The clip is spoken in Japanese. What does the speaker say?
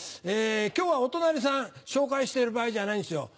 今日はお隣さん紹介してる場合じゃないんですよ。